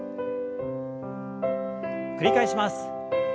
繰り返します。